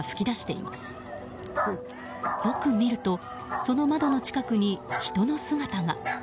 よく見るとその窓の近くに人の姿が。